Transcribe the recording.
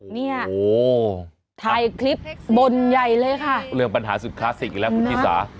เนี่ยโอ้โหถ่ายคลิปบ่นใหญ่เลยค่ะเรื่องปัญหาสุดคลาสสิกอีกแล้วคุณชิสา